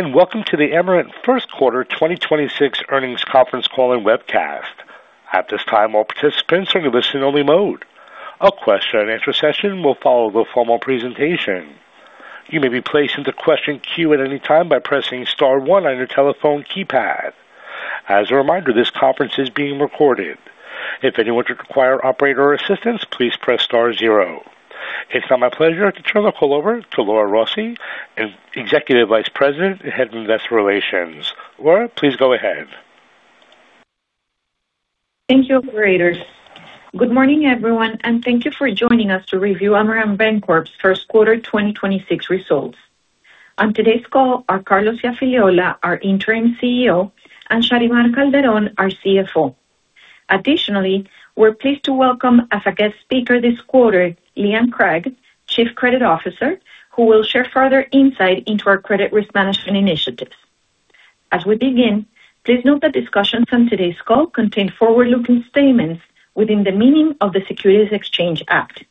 Welcome to the Amerant First Quarter 2026 Earnings Conference Call and Webcast. At this time, all participants are in listen only mode. A question-and-answer session will follow the formal presentation. You may be placed into question queue at any time by pressing star one on your telephone keypad. As a reminder, this conference is being recorded. If anyone should require operator assistance, please press star zero. It's now my pleasure to turn the call over to Laura Rossi, Executive Vice President, Head of Investor Relations. Laura, please go ahead. Thank you, operator. Good morning, everyone, and thank you for joining us to review Amerant Bancorp's First Quarter 2026 Results. On today's call are Carlos Iafigliola, our Interim CEO, and Sharymar Calderón, our CFO. Additionally, we're pleased to welcome as a guest speaker this quarter, Lee Ann Cragg, Chief Credit Officer, who will share further insight into our credit risk management initiatives. As we begin, please note that discussions on today's call contain forward-looking statements within the meaning of the Securities Exchange Act.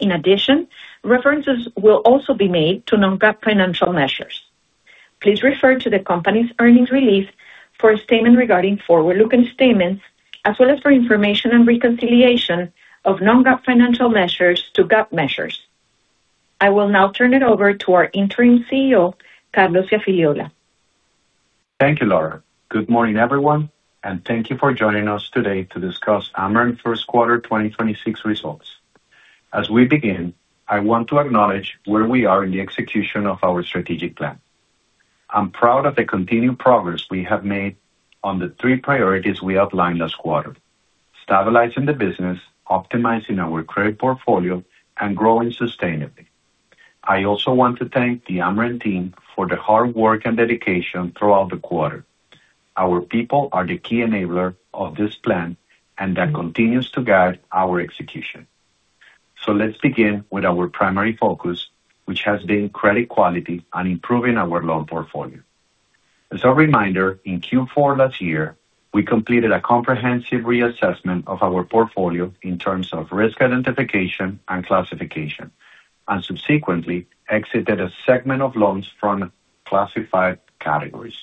In addition, references will also be made to non-GAAP financial measures. Please refer to the company's earnings release for a statement regarding forward-looking statements as well as for information and reconciliation of non-GAAP financial measures to GAAP measures. I will now turn it over to our Interim CEO, Carlos Iafigliola. Thank you, Laura. Good morning, everyone, and thank you for joining us today to discuss Amerant First Quarter 2026 Results. As we begin, I want to acknowledge where we are in the execution of our strategic plan. I'm proud of the continued progress we have made on the three priorities we outlined last quarter. Stabilizing the business, optimizing our credit portfolio, and growing sustainably. I also want to thank the Amerant team for their hard work and dedication throughout the quarter. Our people are the key enabler of this plan and that continues to guide our execution. Let's begin with our primary focus, which has been credit quality and improving our loan portfolio. As a reminder, in Q4 last year, we completed a comprehensive reassessment of our portfolio in terms of risk identification and classification, and subsequently exited a segment of loans from classified categories.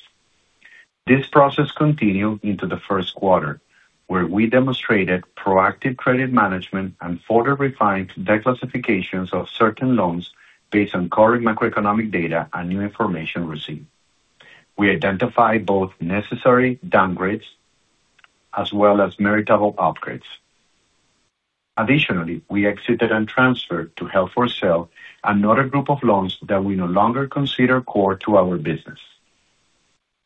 This process continued into the first quarter, where we demonstrated proactive credit management and further refined reclassifications of certain loans based on current macroeconomic data and new information received. We identified both necessary downgrades as well as meritable upgrades. Additionally, we exited and transferred to held for sale another group of loans that we no longer consider core to our business.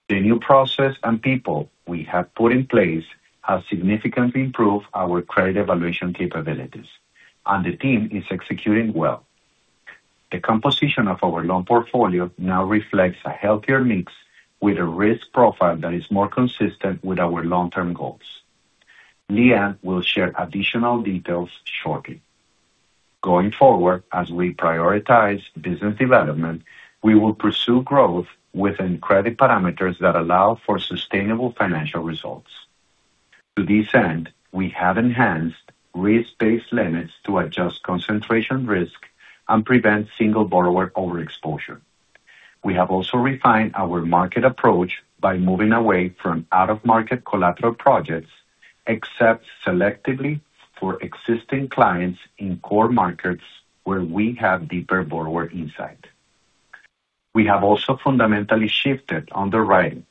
The new process and people we have put in place have significantly improved our credit evaluation capabilities, and the team is executing well. The composition of our loan portfolio now reflects a healthier mix with a risk profile that is more consistent with our long-term goals. Lee Ann will share additional details shortly. Going forward, as we prioritize business development, we will pursue growth within credit parameters that allow for sustainable financial results. To this end, we have enhanced risk-based limits to adjust concentration risk and prevent single borrower overexposure. We have also refined our market approach by moving away from out-of-market collateral projects, except selectively for existing clients in core markets where we have deeper borrower insight. We have also fundamentally shifted underwriting,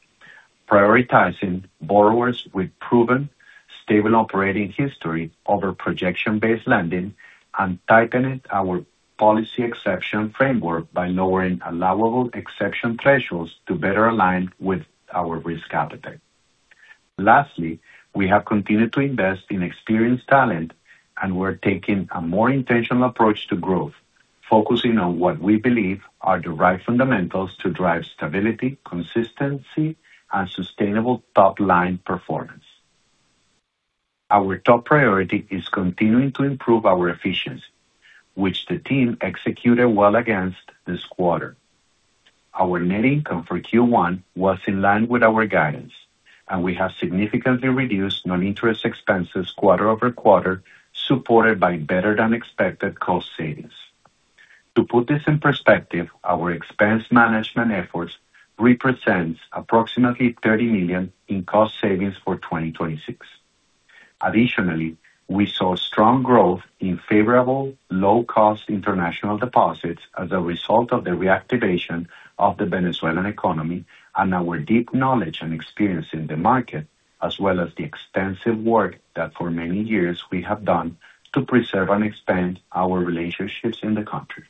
prioritizing borrowers with proven, stable operating history over projection-based lending and tightened our policy exception framework by lowering allowable exception thresholds to better align with our risk appetite. Lastly, we have continued to invest in experienced talent and we're taking a more intentional approach to growth, focusing on what we believe are the right fundamentals to drive stability, consistency, and sustainable top-line performance. Our top priority is continuing to improve our efficiency, which the team executed well against this quarter. Our net income for Q1 was in line with our guidance, and we have significantly reduced non-interest expenses quarter-over-quarter, supported by better than expected cost savings. To put this in perspective, our expense management efforts represents approximately $30 million in cost savings for 2026. Additionally, we saw strong growth in favorable low-cost international deposits as a result of the reactivation of the Venezuelan economy and our deep knowledge and experience in the market, as well as the extensive work that for many years we have done to preserve and expand our relationships in the country.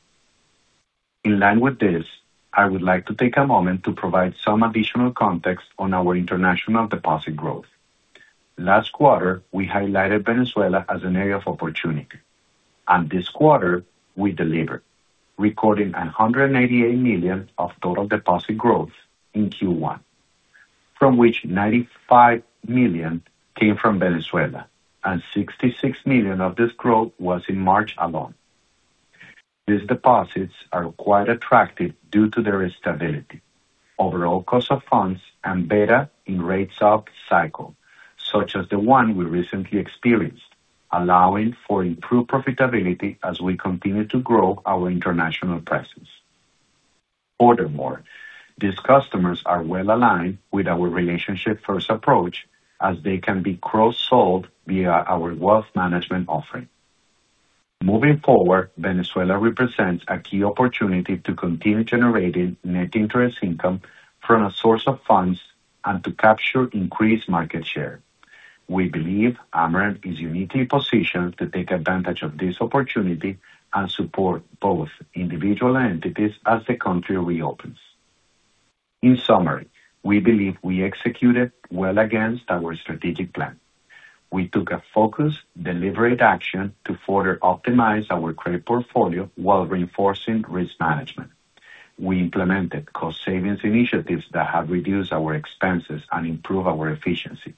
In line with this, I would like to take a moment to provide some additional context on our international deposit growth. Last quarter, we highlighted Venezuela as an area of opportunity, and this quarter we delivered, recording $188 million of total deposit growth in Q1, from which $95 million came from Venezuela, and $66 million of this growth was in March alone. These deposits are quite attractive due to their stability, overall cost of funds, and beta in rate sub-cycle, such as the one we recently experienced. Allowing for improved profitability as we continue to grow our international presence. Furthermore, these customers are well-aligned with our relationship-first approach as they can be cross-sold via our wealth management offering. Moving forward, Venezuela represents a key opportunity to continue generating net interest income from a source of funds and to capture increased market share. We believe Amerant is uniquely positioned to take advantage of this opportunity and support both individual and entities as the country reopens. In summary, we believe we executed well against our strategic plan. We took a focused, deliberate action to further optimize our credit portfolio while reinforcing risk management. We implemented cost savings initiatives that have reduced our expenses and improved our efficiency.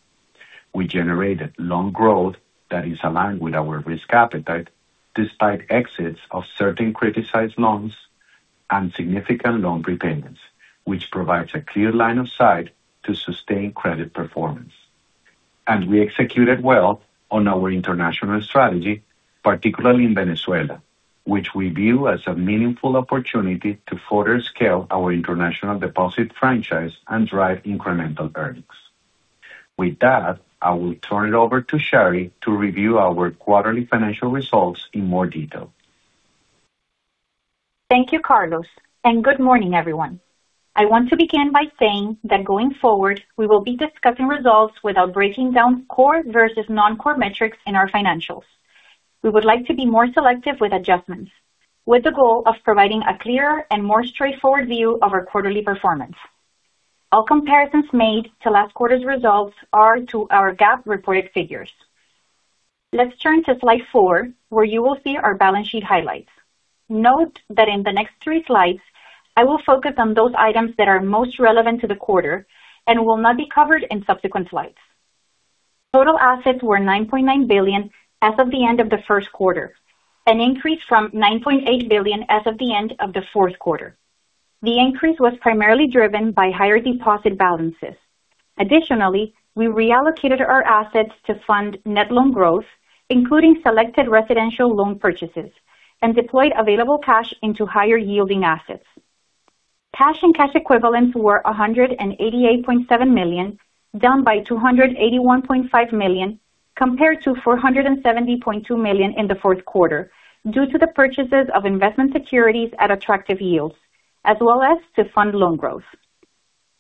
We generated loan growth that is aligned with our risk appetite despite exits of certain criticized loans and significant loan prepayments, which provides a clear line of sight to sustain credit performance. We executed well on our international strategy, particularly in Venezuela, which we view as a meaningful opportunity to further scale our international deposit franchise and drive incremental earnings. With that, I will turn it over to Shary to review our quarterly financial results in more detail. Thank you, Carlos, and good morning, everyone. I want to begin by saying that going forward, we will be discussing results without breaking down core versus non-core metrics in our financials. We would like to be more selective with adjustments, with the goal of providing a clearer and more straightforward view of our quarterly performance. All comparisons made to last quarter's results are to our GAAP-reported figures. Let's turn to slide four, where you will see our balance sheet highlights. Note that in the next three slides, I will focus on those items that are most relevant to the quarter and will not be covered in subsequent slides. Total assets were $9.9 billion as of the end of the first quarter, an increase from $9.8 billion as of the end of the fourth quarter. The increase was primarily driven by higher deposit balances. Additionally, we reallocated our assets to fund net loan growth, including selected residential loan purchases, and deployed available cash into higher-yielding assets. Cash and cash equivalents were $188.7 million, down by $281.5 million compared to $470.2 million in the fourth quarter due to the purchases of investment securities at attractive yields, as well as to fund loan growth.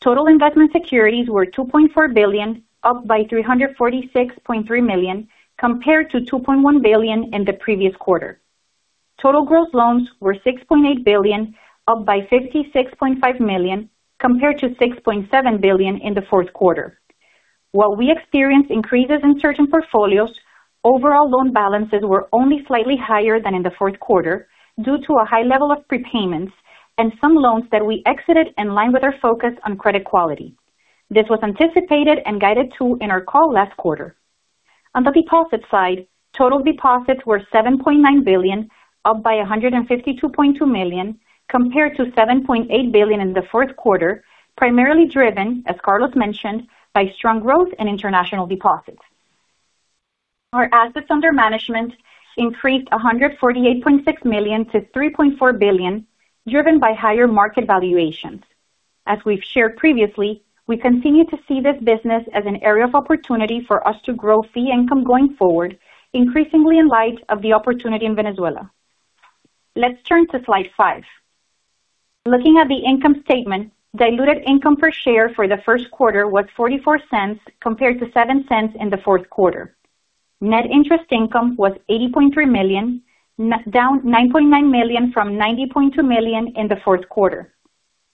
Total investment securities were $2.4 billion, up by $346.3 million compared to $2.1 billion in the previous quarter. Total loans were $6.8 billion, up by $56.5 million compared to $6.7 billion in the fourth quarter. While we experienced increases in certain portfolios, overall loan balances were only slightly higher than in the fourth quarter due to a high level of prepayments and some loans that we exited in line with our focus on credit quality. This was anticipated and guided, too, in our call last quarter. On the deposit side, total deposits were $7.9 billion, up by $152.2 million compared to $7.8 billion in the fourth quarter, primarily driven, as Carlos mentioned, by strong growth in international deposits. Our assets under management increased $148.6 million to $3.4 billion, driven by higher market valuations. As we've shared previously, we continue to see this business as an area of opportunity for us to grow fee income going forward, increasingly in light of the opportunity in Venezuela. Let's turn to slide five. Looking at the income statement, diluted income per share for the first quarter was $0.44 compared to $0.07 in the fourth quarter. Net interest income was $80.3 million, down $9.9 million from $90.2 million in the fourth quarter.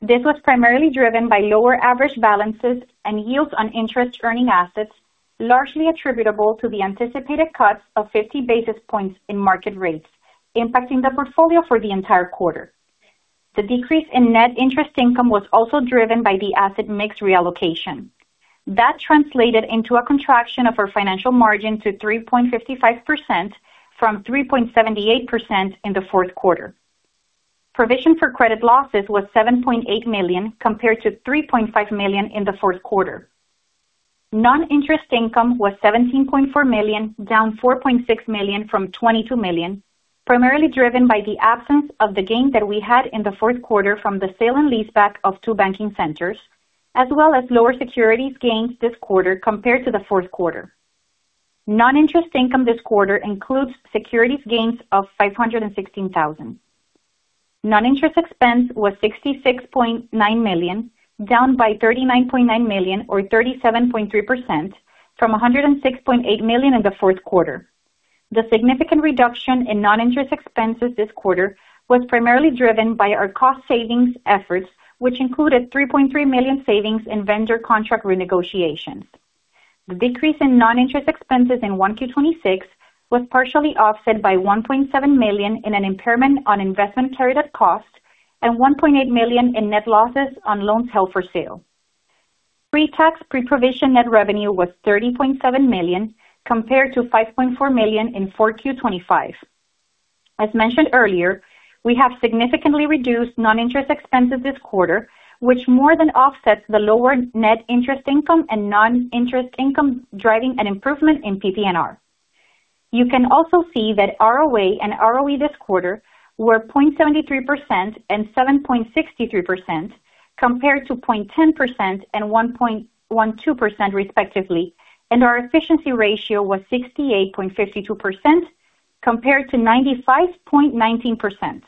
This was primarily driven by lower average balances and yields on interest-earning assets, largely attributable to the anticipated cuts of 50 basis points in market rates impacting the portfolio for the entire quarter. The decrease in net interest income was also driven by the asset mix reallocation. That translated into a contraction of our financial margin to 3.55% from 3.78% in the fourth quarter. Provision for credit losses was $7.8 million compared to $3.5 million in the fourth quarter. Non-interest income was $17.4 million, down $4.6 million from $22 million, primarily driven by the absence of the gain that we had in the fourth quarter from the sale and leaseback of two banking centers, as well as lower securities gains this quarter compared to the fourth quarter. Non-interest income this quarter includes securities gains of $516000. Non-interest expense was $66.9 million, down by $39.9 million or 37.3% from $106.8 million in the fourth quarter. The significant reduction in non-interest expenses this quarter was primarily driven by our cost savings efforts, which included $3.3 million savings in vendor contract renegotiations. The decrease in non-interest expenses in 1Q 2026 was partially offset by $1.7 million in an impairment on investment carried at cost and $1.8 million in net losses on loans held for sale. Pre-tax, pre-provision net revenue was $30.7 million, compared to $5.4 million in 4Q 2025. As mentioned earlier, we have significantly reduced non-interest expenses this quarter, which more than offsets the lower net interest income and non-interest income, driving an improvement in PPNR. You can also see that ROA and ROE this quarter were 0.73% and 7.63%, compared to 0.10% and 1.12%, respectively, and our efficiency ratio was 68.52% compared to 95.19%.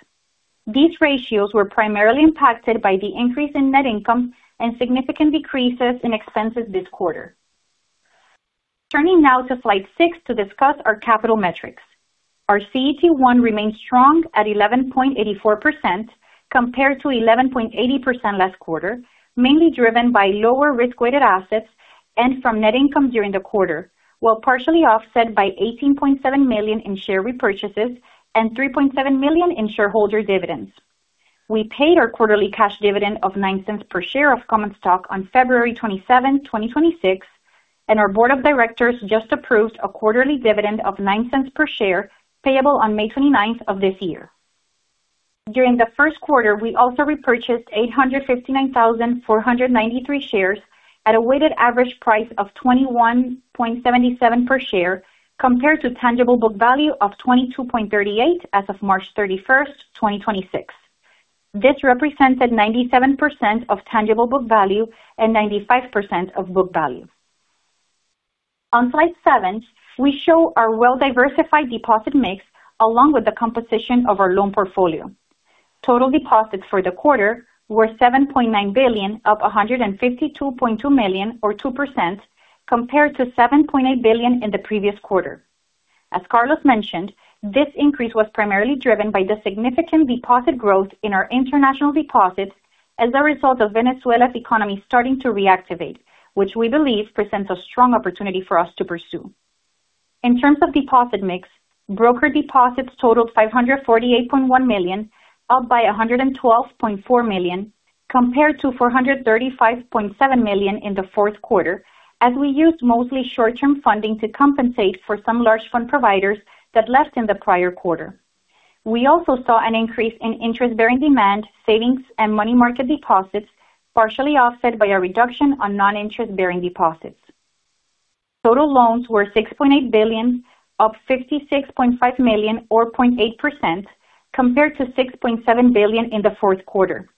These ratios were primarily impacted by the increase in net income and significant decreases in expenses this quarter. Turning now to slide six to discuss our capital metrics. Our CET1 remains strong at 11.84% compared to 11.80% last quarter, mainly driven by lower risk-weighted assets and from net income during the quarter, while partially offset by $18.7 million in share repurchases and $3.7 million in shareholder dividends. We paid our quarterly cash dividend of $0.09 per share of common stock on February 27, 2026, and our board of directors just approved a quarterly dividend of $0.09 per share payable on May 29th of this year. During the first quarter, we also repurchased 859,493 shares at a weighted average price of $21.77 per share, compared to tangible book value of $22.38 as of March 31st, 2026. This represented 97% of tangible book value and 95% of book value. On slide seven, we show our well-diversified deposit mix along with the composition of our loan portfolio. Total deposits for the quarter were $7.9 billion, up $152.2 million or 2.0%, compared to $7.8 billion in the previous quarter. As Carlos mentioned, this increase was primarily driven by the significant deposit growth in our international deposits as a result of Venezuela's economy starting to reactivate, which we believe presents a strong opportunity for us to pursue. In terms of deposit mix, broker deposits totaled $548.1 million, up by $112.4 million compared to $435.7 million in the fourth quarter as we used mostly short-term funding to compensate for some large fund providers that left in the prior quarter. We also saw an increase in interest-bearing demand, savings, and money market deposits, partially offset by a reduction on non-interest-bearing deposits. Total loans were $6.8 billion, up $56.5 million or 0.8%, compared to $6.7 billion in the fourth quarter.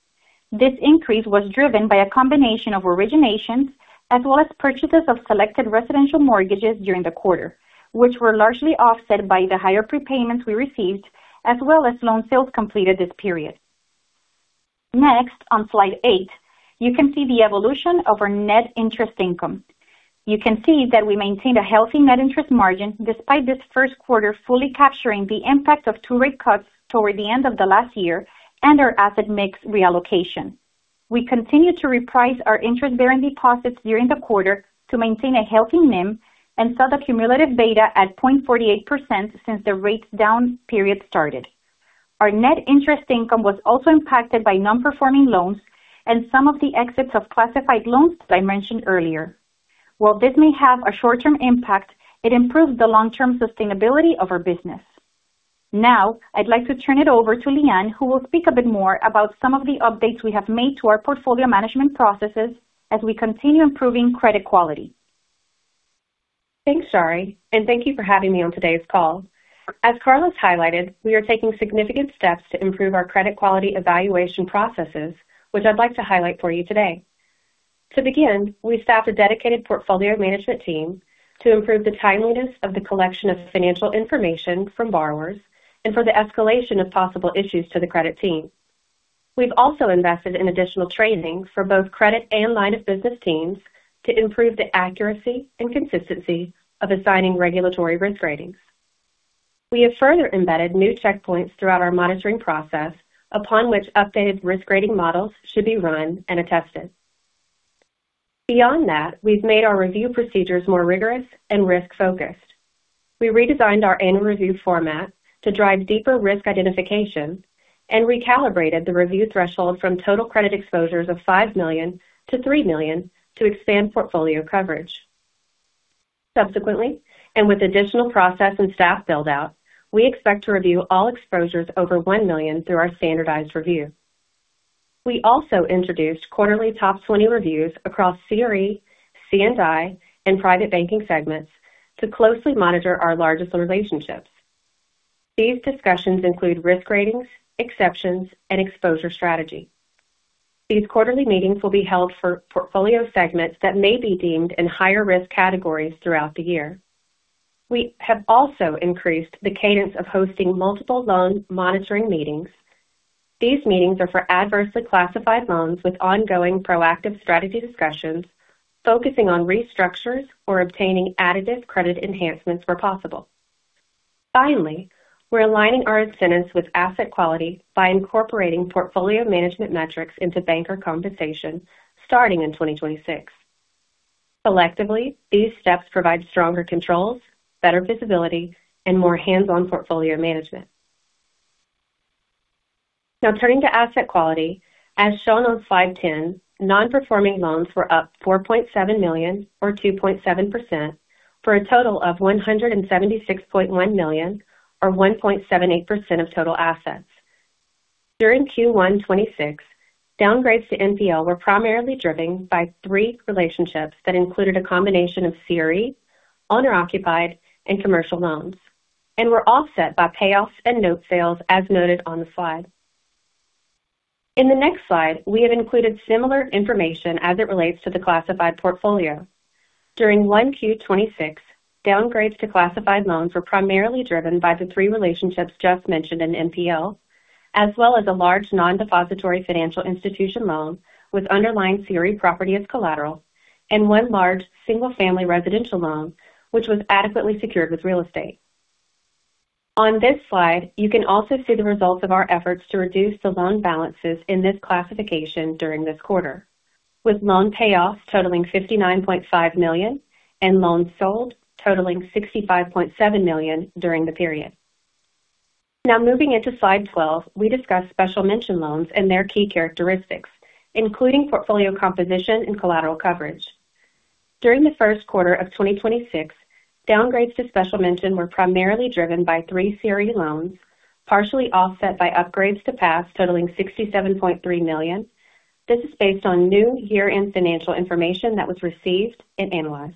This increase was driven by a combination of originations as well as purchases of selected residential mortgages during the quarter, which were largely offset by the higher prepayments we received, as well as loan sales completed this period. Next, on slide eight you can see the evolution of our net interest income. You can see that we maintained a healthy net interest margin despite this first quarter fully capturing the impact of two rate cuts toward the end of the last year and our asset mix reallocation. We continued to reprice our interest-bearing deposits during the quarter to maintain a healthy NIM and saw the cumulative beta at 0.48% since the rates down period started. Our net interest income was also impacted by non-performing loans and some of the exits of classified loans that I mentioned earlier. While this may have a short-term impact, it improved the long-term sustainability of our business. Now, I'd like to turn it over to Lee Ann, who will speak a bit more about some of the updates we have made to our portfolio management processes as we continue improving credit quality. Thanks, Shary, and thank you for having me on today's call. As Carlos highlighted, we are taking significant steps to improve our credit quality evaluation processes, which I'd like to highlight for you today. To begin, we staffed a dedicated portfolio management team to improve the timeliness of the collection of financial information from borrowers and for the escalation of possible issues to the credit team. We've also invested in additional training for both credit and line of business teams to improve the accuracy and consistency of assigning regulatory risk ratings. We have further embedded new checkpoints throughout our monitoring process upon which updated risk rating models should be run and attested. Beyond that, we've made our review procedures more rigorous and risk-focused. We redesigned our annual review format to drive deeper risk identification and recalibrated the review threshold from total credit exposures of $5 million to $3 million to expand portfolio coverage. Subsequently, and with additional process and staff build-out, we expect to review all exposures over $1 million through our standardized review. We also introduced quarterly Top 20 reviews across CRE, C&I, and private banking segments to closely monitor our largest relationships. These discussions include risk ratings, exceptions, and exposure strategy. These quarterly meetings will be held for portfolio segments that may be deemed in higher risk categories throughout the year. We have also increased the cadence of hosting multiple loan monitoring meetings. These meetings are for adversely classified loans with ongoing proactive strategy discussions focusing on restructures or obtaining additive credit enhancements where possible. Finally, we're aligning our incentives with asset quality by incorporating portfolio management metrics into banker compensation starting in 2026. Collectively, these steps provide stronger controls, better visibility, and more hands-on portfolio management. Now turning to asset quality. As shown on slide 10, non-performing loans were up $4.7 million or 2.7% for a total of $176.1 million or 1.78% of total assets. During Q1 2026, downgrades to NPL were primarily driven by three relationships that included a combination of CRE, owner-occupied and commercial loans, and were offset by payoffs and note sales, as noted on the slide. In the next slide, we have included similar information as it relates to the classified portfolio. During Q1 2026, downgrades to classified loans were primarily driven by the three relationships just mentioned in NPL, as well as a large non-depository financial institution loan with underlying CRE property as collateral and one large single family residential loan which was adequately secured with real estate. On this slide, you can also see the results of our efforts to reduce the loan balances in this classification during this quarter with loan payoffs totaling $59.5 million and loans sold totaling $65.7 million during the period. Now moving into slide 12, we discuss special mention loans and their key characteristics, including portfolio composition and collateral coverage. During the first quarter of 2026, downgrades to special mention were primarily driven by three CRE loans, partially offset by upgrades to pass totaling $67.3 million. This is based on new year-end financial information that was received and analyzed.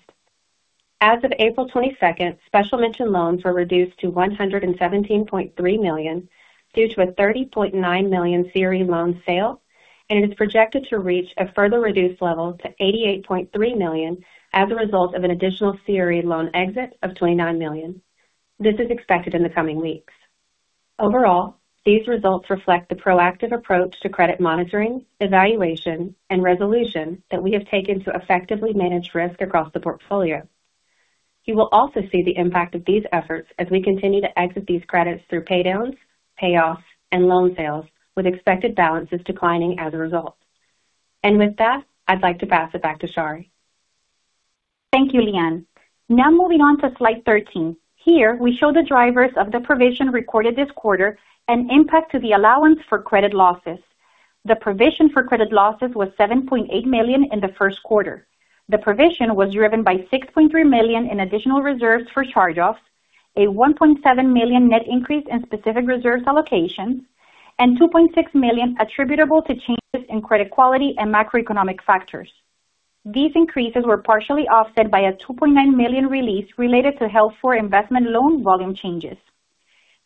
As of April twenty-second, special mention loans were reduced to $117.3 million due to a $30.9 million CRE loan sale, and is projected to reach a further reduced level to $88.3 million as a result of an additional CRE loan exit of $29 million. This is expected in the coming weeks. Overall, these results reflect the proactive approach to credit monitoring, evaluation and resolution that we have taken to effectively manage risk across the portfolio. You will also see the impact of these efforts as we continue to exit these credits through paydowns, payoffs and loan sales, with expected balances declining as a result. With that, I'd like to pass it back to Shary. Thank you, Lee Ann. Now moving on to slide 13. Here, we show the drivers of the provision recorded this quarter and impact to the allowance for credit losses. The provision for credit losses was $7.8 million in the first quarter. The provision was driven by $6.3 million in additional reserves for charge-offs, a $1.7 million net increase in specific reserves allocations, and $2.6 million attributable to changes in credit quality and macroeconomic factors. These increases were partially offset by a $2.9 million release related to held-for-investment loan volume changes.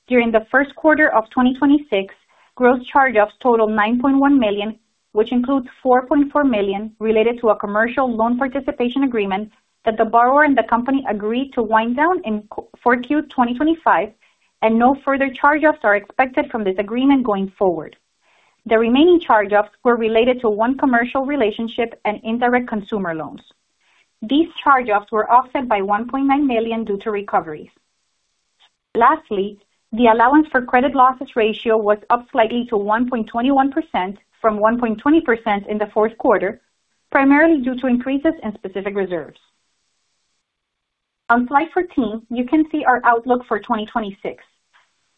During the first quarter of 2026, gross charge-offs totaled $9.1 million, which includes $4.4 million related to a commercial loan participation agreement that the borrower and the company agreed to wind down in 4Q 2025, and no further charge-offs are expected from this agreement going forward. The remaining charge-offs were related to one commercial relationship and indirect consumer loans. These charge-offs were offset by $1.9 million due to recoveries. Lastly, the allowance for credit losses ratio was up slightly to 1.21% from 1.20% in the fourth quarter, primarily due to increases in specific reserves. On slide 14, you can see our outlook for 2026.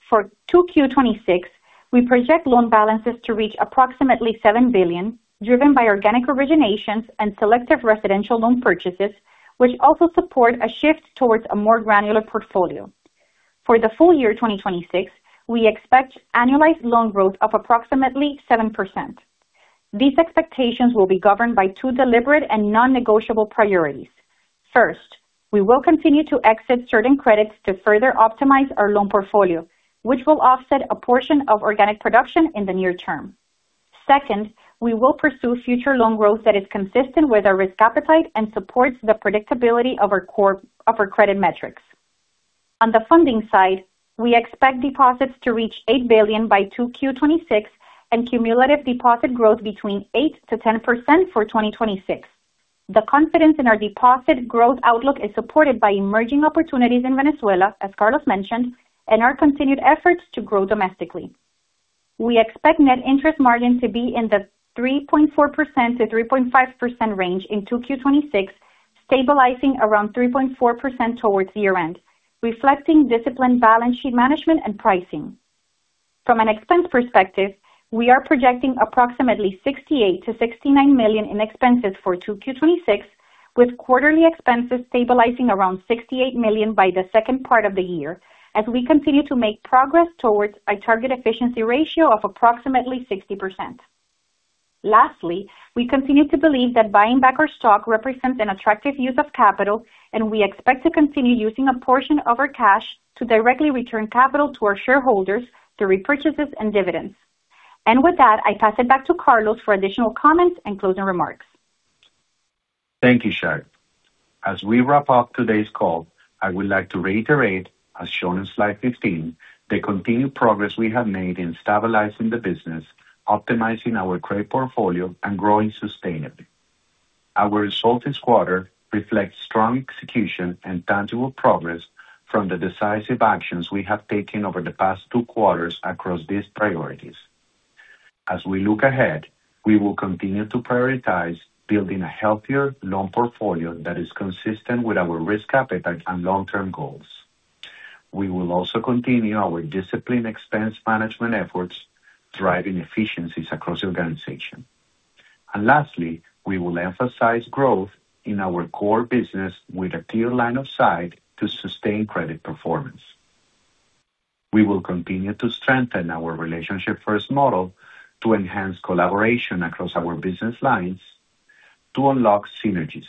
For 2Q 2026, we project loan balances to reach approximately $7 billion, driven by organic originations and selective residential loan purchases, which also support a shift towards a more granular portfolio. For the full year 2026, we expect annualized loan growth of approximately 7%. These expectations will be governed by two deliberate and non-negotiable priorities. First, we will continue to exit certain credits to further optimize our loan portfolio, which will offset a portion of organic production in the near term. Second, we will pursue future loan growth that is consistent with our risk appetite and supports the predictability of our credit metrics. On the funding side, we expect deposits to reach $8 billion by 2Q 2026 and cumulative deposit growth between 8%-10% for 2026. The confidence in our deposit growth outlook is supported by emerging opportunities in Venezuela, as Carlos mentioned, and our continued efforts to grow domestically. We expect net interest margin to be in the 3.4%-3.5% range in 2Q 2026, stabilizing around 3.4% towards year-end, reflecting disciplined balance sheet management and pricing. From an expense perspective, we are projecting approximately $68 million-$69 million in expenses for 2Q 2026, with quarterly expenses stabilizing around $68 million by the second part of the year as we continue to make progress towards a target efficiency ratio of approximately 60%. Lastly, we continue to believe that buying back our stock represents an attractive use of capital, and we expect to continue using a portion of our cash to directly return capital to our shareholders through repurchases and dividends. With that, I pass it back to Carlos for additional comments and closing remarks. Thank you, Shary. As we wrap up today's call, I would like to reiterate, as shown in slide 15, the continued progress we have made in stabilizing the business, optimizing our credit portfolio and growing sustainably. Our results this quarter reflect strong execution and tangible progress from the decisive actions we have taken over the past two quarters across these priorities. As we look ahead, we will continue to prioritize building a healthier loan portfolio that is consistent with our risk appetite and long-term goals. We will also continue our disciplined expense management efforts, driving efficiencies across the organization. Lastly, we will emphasize growth in our core business with a clear line of sight to sustain credit performance. We will continue to strengthen our relationship-first model to enhance collaboration across our business lines to unlock synergies,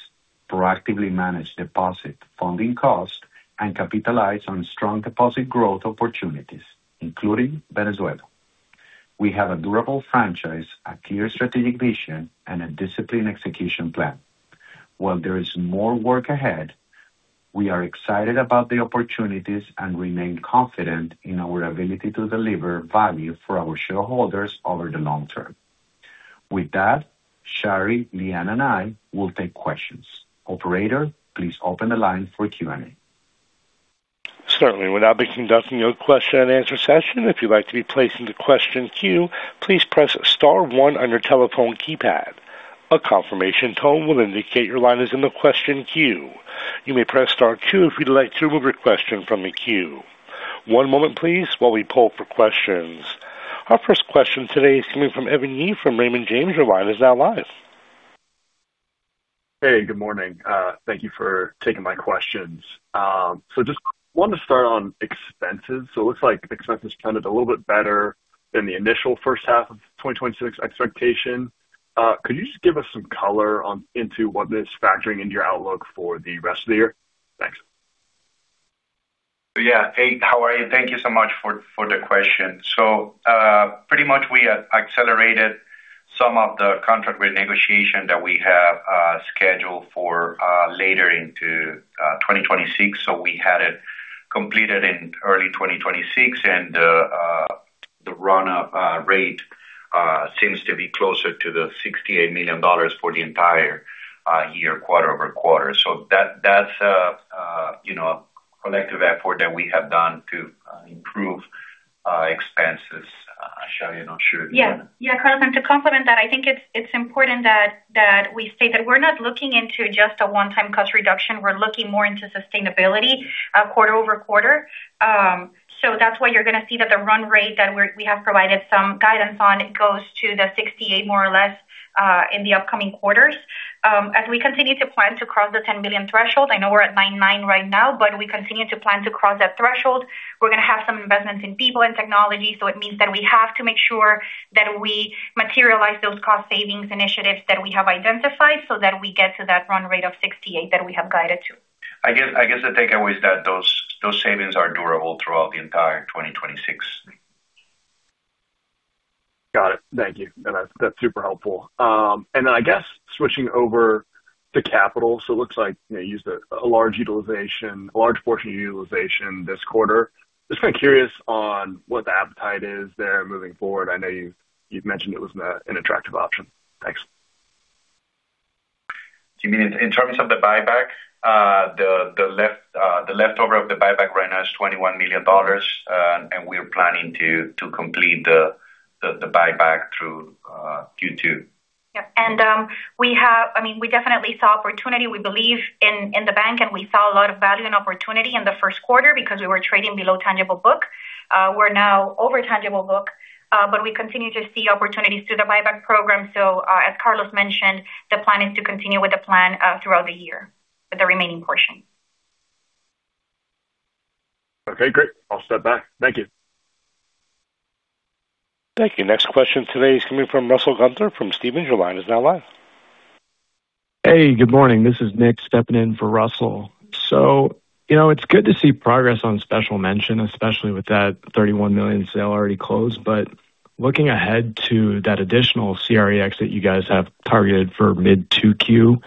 proactively manage deposit funding cost, and capitalize on strong deposit growth opportunities, including Venezuela. We have a durable franchise, a clear strategic vision, and a disciplined execution plan. While there is more work ahead, we are excited about the opportunities and remain confident in our ability to deliver value for our shareholders over the long term. With that, Shary, Lee Ann, and I will take questions. Operator, please open the line for Q&A. Certainly. We'll now be conducting your question-and-answer session. If you'd like to be placed in the question queue, please press star one on your telephone keypad. A confirmation tone will indicate your line is in the question queue. You may press star two if you'd like to remove your question from the queue. One moment please, while we poll for questions. Our first question today is coming from Evan Yee from Raymond James. Your line is now live. Hey, good morning. Thank you for taking my questions. Just wanted to start on expenses. It looks like expenses trended a little bit better than the initial first half of 2026 expectation. Could you just give us some color into what is factoring into your outlook for the rest of the year? Thanks. Yeah. Hey, how are you? Thank you so much for the question. Pretty much we accelerated some of the contract renegotiation that we have scheduled for later into 2026. We had it completed in early 2026 and the run rate seems to be closer to the $68 million for the entire year, quarter-over-quarter. That's a collective effort that we have done to improve expenses. Shary, I'm not sure. Yeah. Carlos, to complement that, I think it's important that we state that we're not looking into just a one-time cost reduction. We're looking more into sustainability quarter-over-quarter. That's why you're going to see that the run rate that we have provided some guidance on goes to the $68, more or less, in the upcoming quarters. As we continue to plan to cross the $10 million threshold, I know we're at $9.9 million right now, but we continue to plan to cross that threshold. We're going to have some investments in people and technology. It means that we have to make sure that we materialize those cost savings initiatives that we have identified so that we get to that run rate of $68 that we have guided to. I guess, the takeaway is that those savings are durable throughout the entire 2026. Got it. Thank you. That's super helpful. I guess switching over to capital. It looks like you used a large portion of utilization this quarter. Just kind of curious on what the appetite is there moving forward. I know you've mentioned it was an attractive option. Thanks. Do you mean in terms of the buyback? The leftover of the buyback right now is $21 million, and we are planning to complete the buyback through Q2. Yeah. We definitely saw opportunity. We believe in the bank, and we saw a lot of value and opportunity in the first quarter because we were trading below tangible book. We're now over tangible book. But we continue to see opportunities through the buyback program. As Carlos mentioned, the plan is to continue with the plan throughout the year for the remaining portion. Okay, great. I'll step back. Thank you. Thank you. Next question today is coming from Russell Gunther from Stephens. Your line is now live. Hey, good morning. This is Nick stepping in for Russell. It's good to see progress on special mention, especially with that $31 million sale already closed. Looking ahead to that additional CRE exit that you guys have targeted for mid 2Q,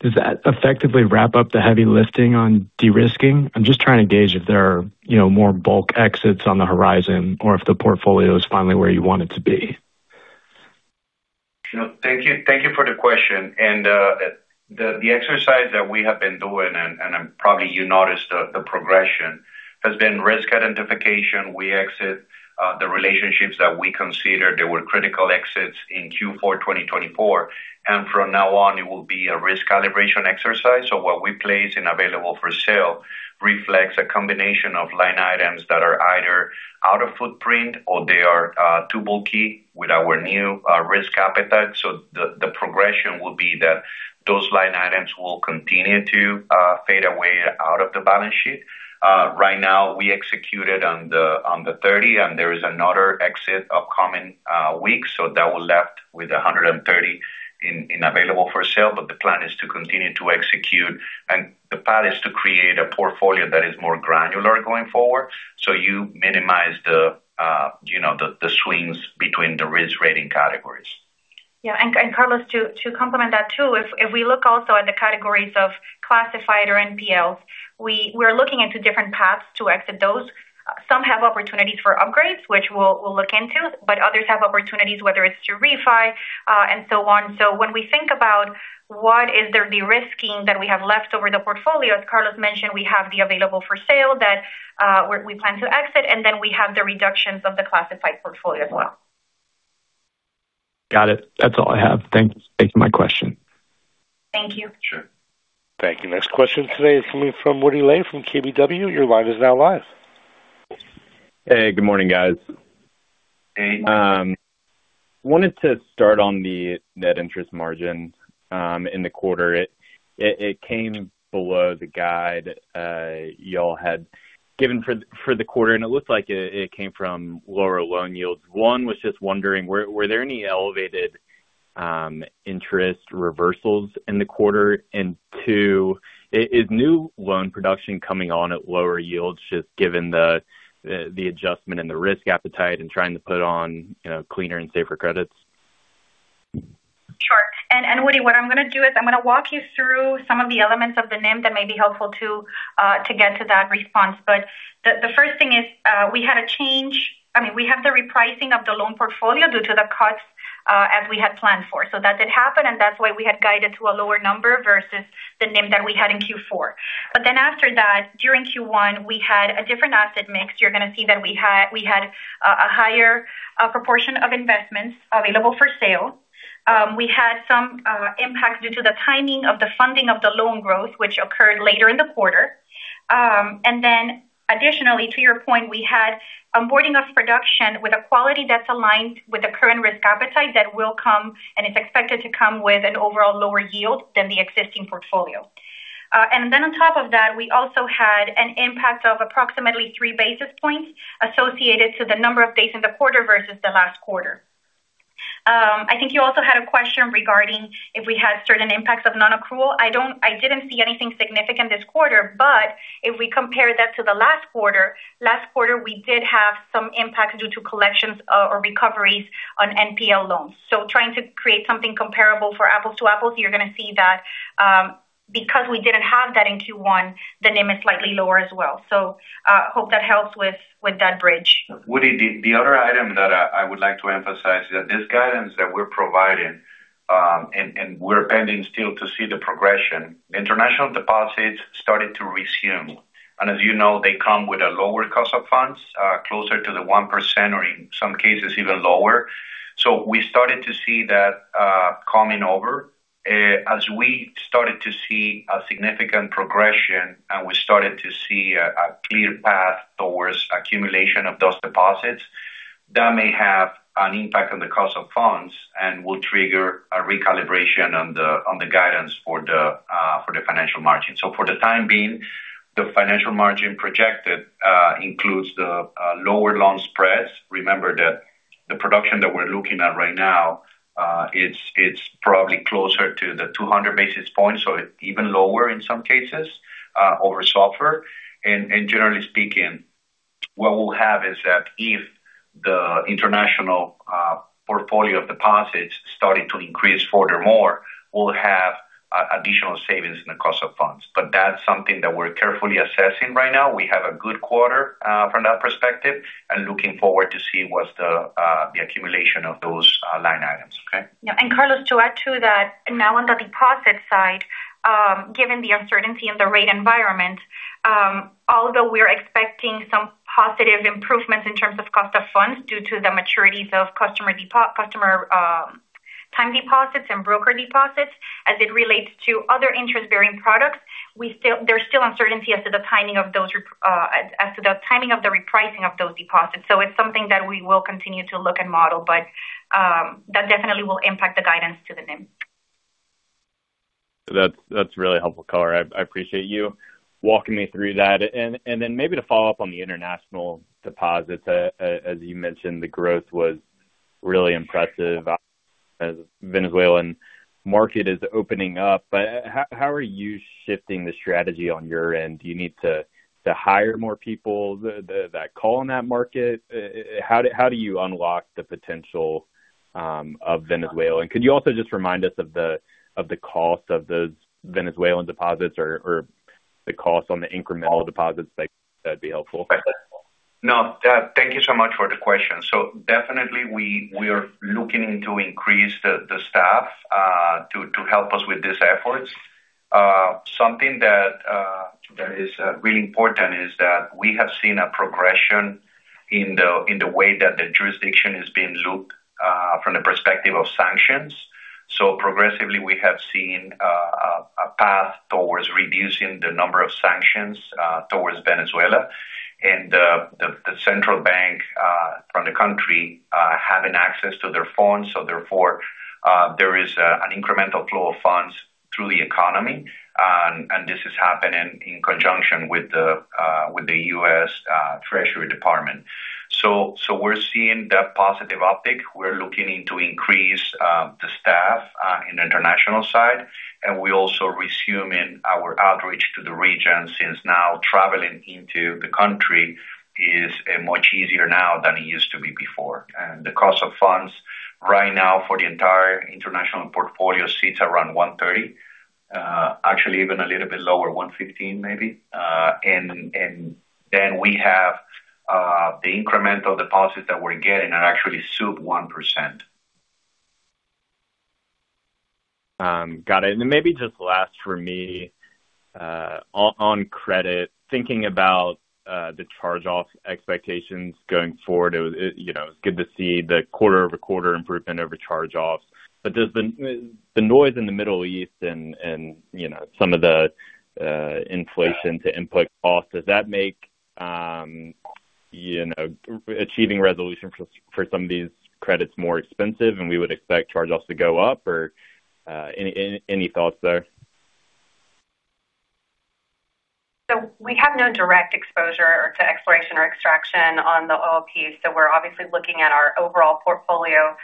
does that effectively wrap up the heavy lifting on de-risking? I'm just trying to gauge if there are more bulk exits on the horizon or if the portfolio is finally where you want it to be. Thank you for the question. The exercise that we have been doing, and probably you noticed the progression, has been risk identification. We exit the relationships that we consider they were critical exits in Q4 2024. From now on it will be a risk calibration exercise. What we place in available for sale reflects a combination of line items that are either out of footprint or they are too bulky with our new risk appetite. The progression will be that those line items will continue to fade away out of the balance sheet. Right now we executed on the $30 and there is another exit upcoming week. That will be left with $130 in available for sale. The plan is to continue to execute and the path is to create a portfolio that is more granular going forward. You minimize the swings between the risk rating categories. Yeah. Carlos, to complement that too, if we look also at the categories of classified or NPLs, we are looking into different paths to exit those. Some have opportunities for upgrades, which we'll look into, but others have opportunities, whether it's to refi, and so on. When we think about what is the de-risking that we have left over the portfolio, as Carlos mentioned, we have the available for sale that we plan to exit, and then we have the reductions of the classified portfolio as well. Got it. That's all I have. Thanks for my question. Thank you. Sure. Thank you. Next question today is coming from Woody Lay from KBW. Your line is now live. Hey, good morning, guys. Wanted to start on the net interest margin in the quarter. It came below the guide you all had given for the quarter, and it looks like it came from lower loan yields. I was just wondering, were there any elevated interest reversals in the quarter? Two, is new loan production coming on at lower yields, just given the adjustment in the risk appetite and trying to put on cleaner and safer credits? Sure. Woody, what I'm going to do is, I'm going to walk you through some of the elements of the NIM that may be helpful to get to that response. The first thing is we had a change. We have the repricing of the loan portfolio due to the cuts as we had planned for. That did happen and that's why we had guided to a lower number versus the NIM that we had in Q4. After that, during Q1, we had a different asset mix. You're going to see that we had a higher proportion of investments available for sale. We had some impact due to the timing of the funding of the loan growth, which occurred later in the quarter. Additionally, to your point, we had onboarding of production with a quality that's aligned with the current risk appetite that will come, and it's expected to come with an overall lower yield than the existing portfolio. On top of that, we also had an impact of approximately three basis points associated to the number of days in the quarter versus the last quarter. I think you also had a question regarding if we had certain impacts of non-accrual. I didn't see anything significant this quarter, but if we compare that to the last quarter, we did have some impact due to collections or recoveries on NPL loans. Trying to create something comparable for apples to apples, you're going to see that because we didn't have that in Q1, the NIM is slightly lower as well. Hope that helps with that bridge. Woody, the other item that I would like to emphasize that this guidance that we're providing, and we're pending still to see the progression. International deposits started to resume, and as you know, they come with a lower cost of funds, closer to the 1% or in some cases even lower. We started to see that coming over. As we started to see a significant progression and we started to see a clear path towards accumulation of those deposits, that may have an impact on the cost of funds and will trigger a recalibration on the guidance for the financial margin. For the time being, the financial margin projected includes the lower loan spreads. Remember that the production that we're looking at right now, it's probably closer to the 200 basis points or even lower in some cases over SOFR. Generally speaking, what we'll have is that if the international portfolio of deposits started to increase quarter more, we'll have additional savings in the cost of funds. That's something that we're carefully assessing right now. We have a good quarter from that perspective and looking forward to see what's the accumulation of those line items. Okay? Carlos, to add to that, now on the deposit side, given the uncertainty in the rate environment, although we're expecting some positive improvements in terms of cost of funds due to the maturities of customer time deposits and broker deposits as it relates to other interest bearing products, there's still uncertainty as to the timing of the repricing of those deposits. It's something that we will continue to look and model, but that definitely will impact the guidance to the NIM. That's really helpful color. I appreciate you walking me through that. Then maybe to follow up on the international deposits, as you mentioned, the growth was really impressive as Venezuelan market is opening up. How are you shifting the strategy on your end? Do you need to hire more people that call on that market? How do you unlock the potential of Venezuelan? Could you also just remind us of the cost of those Venezuelan deposits or the cost on the incremental deposits? That'd be helpful. No, thank you so much for the question. Definitely we are looking to increase the staff to help us with these efforts. Something that is really important is that we have seen a progression in the way that the jurisdiction is being looked from the perspective of sanctions. Progressively we have seen a path towards reducing the number of sanctions towards Venezuela and the central bank from the country having access to their funds. Therefore, there is an incremental flow of funds through the economy. This is happening in conjunction with the U.S. Treasury Department. We're seeing that positive uptick. We're looking to increase the staff in the international side, and we're also resuming our outreach to the region since now traveling into the country is much easier now than it used to be before. The cost of funds right now for the entire international portfolio sits around 130. Actually even a little bit lower, 115 maybe. We have the incremental deposits that we're getting are actually sub 1%. Got it. Maybe just last for me on credit, thinking about the charge-off expectations going forward, it's good to see the quarter-over-quarter improvement over charge-offs. Does the noise in the Middle East and some of the inflation in input costs make achieving resolution for some of these credits more expensive and we would expect charge-offs to go up or any thoughts there? We have no direct exposure to exploration or extraction on the oil piece. We're obviously looking at our overall portfolio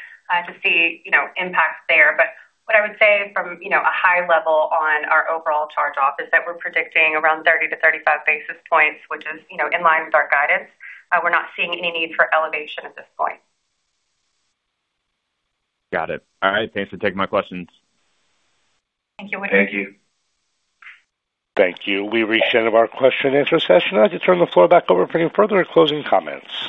to see impacts there. What I would say from a high level on our overall charge-off is that we're predicting around 30 basis points to 35 basis points, which is in line with our guidance. We're not seeing any need for elevation at this point. Got it. All right, thanks for taking my questions. Thank you, Woody. Thank you. Thank you. We've reached the end of our question-and-answer session. I'll just turn the floor back over for any further closing comments.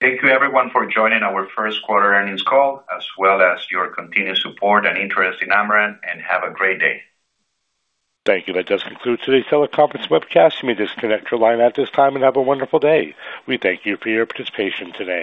Thank you, everyone, for joining our first quarter earnings call, as well as your continued support and interest in Amerant. Have a great day. Thank you. That does conclude today's teleconference webcast. You may disconnect your line at this time and have a wonderful day. We thank you for your participation today.